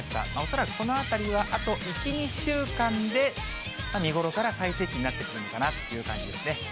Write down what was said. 恐らくこの辺りはあと１、２週間で見頃から最盛期になってくるのかなという感じですね。